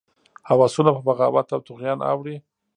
هوسونه په بغاوت او طغیان اوړي.